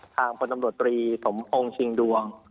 ทางคุณตำรวจตรีศมพงศ์ชิงดวง